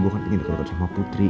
gue kan ingin deket deket sama putri